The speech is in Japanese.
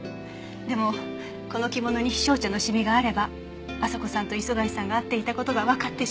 でもこの着物に陽尚茶のシミがあれば朝子さんと磯貝さんが会っていた事がわかってしまう。